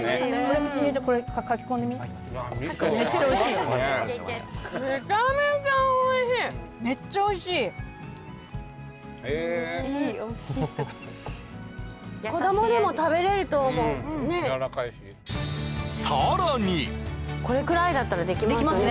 めっちゃおいしいよめちゃめちゃおいしいめっちゃおいしいうんやわらかいしさらにこれくらいだったらできますよね